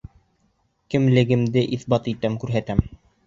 Кемлегемде иҫбат итәм, күрһәтәм.